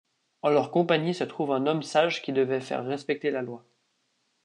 En leur compagnie se trouve un homme sage qui devait faire respecter la loi.